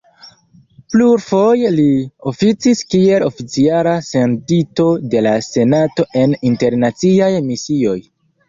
Plurfoje li oficis kiel oficiala sendito de la senato en internaciaj misioj.